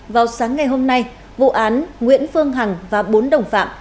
vào sáng ngày hôm nay vụ án nguyễn phương hằng và bốn đồng phạm